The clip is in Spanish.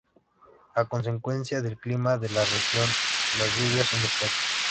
A consecuencia del clima de la región, las lluvias son escasas.